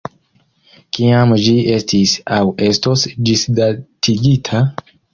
Kiam ĝi estis aŭ estos ĝisdatigita?